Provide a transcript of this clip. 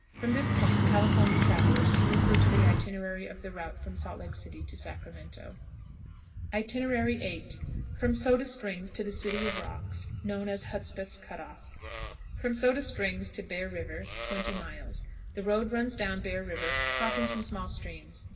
From this point California travelers can refer to the itinerary of the route from Salt Lake City to Sacramento. VIII. From Soda Springs to the City of Rocks, known as Hudspeth's Cut off. Miles. Soda Springs to 20. Bear River. The road runs down Bear River, crossing some small streams.